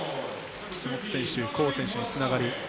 岸本選手、コー選手につながる。